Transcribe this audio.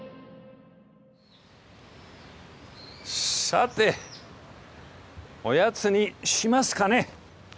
さておやつにしますかね。